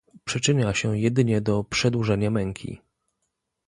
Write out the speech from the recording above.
Przyczynia się jedynie do przedłużenia męki